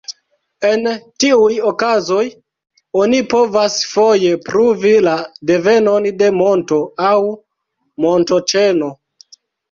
En tiuj okazoj oni povas foje pruvi la devenon de monto aŭ montoĉeno.